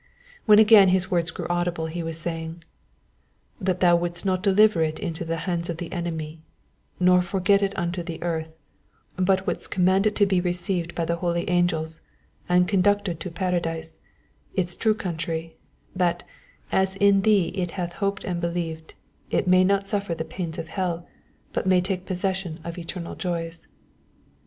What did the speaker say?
When again his words grew audible he was saying: _" That Thou wouldst not deliver it into the hand of the enemy, nor forget it unto the end, out wouldst command it to be received by the Holy Angels, and conducted to paradise, its true country; that, as in Thee it hath hoped and believed, it may not suffer the pains of hell, but may take possession of eternal joys."